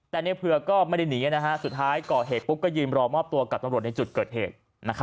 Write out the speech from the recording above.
แต่ในเผือกก็ไม่ได้หนีสุดท้ายก่อเหตุปุ๊บก็ยืนรอมอบตัวกับตำรวจในจุดเกิดเหตุ